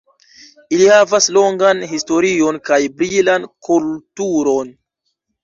Ili havas longan historion kaj brilan kulturon.